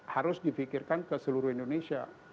harus di pikirkan ke seluruh indonesia